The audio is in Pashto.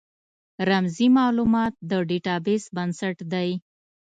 رمزي مالومات د ډیټا بیس بنسټ دی.